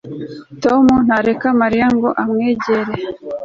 tom ntareka mariya ngo amwegere